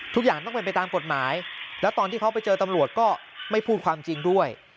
ทุกอย่างต้องเป็นไปตามกฎหมายแล้วตอนที่เขาไปเจอตำรวจก็ไม่พูดความจริงด้วย